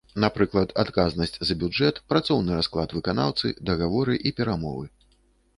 Напрыклад, адказнасць за бюджэт, працоўны расклад выканаўцы, дагаворы і перамовы.